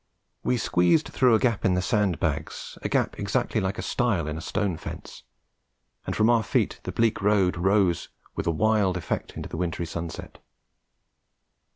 We squeezed through a gap in the sand bags, a gap exactly like a stile in a stone fence, and from our feet the bleak road rose with a wild effect into the wintry sunset.